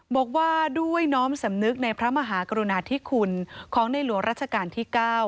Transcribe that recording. บอกว่าด้วยน้อมสำนึกในพระมหากรุณาธิคุณของในหลวงราชการที่๙